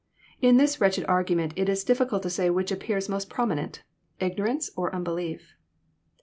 In this wretched argument it is difficult to say which appears most prominent, ignorance or unbelief.